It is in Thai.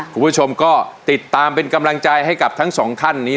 คุณผู้ชมก็ติดตามเป็นกำลังใจให้กับทั้งสองท่านนี้